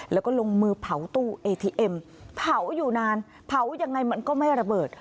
แล้วก็ลงมือเผาตู้เอทีเอ็มเผาอยู่นานเผายังไงมันก็ไม่ระเบิด